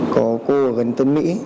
có cô ở gần tân mỹ